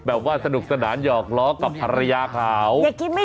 แบบว่าสนุกสนานหยอกล้อกับภรรยาขาว